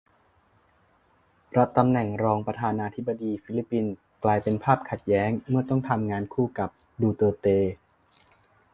รับตำแหน่งรองประธานาธิบดีฟิลิปปินส์ กลายเป็นภาพขัดแย้งเมื่อต้องทำงานคู่กับ 'ดูเตอร์เต'